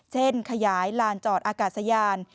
ขยายลานจอดอากาศยาน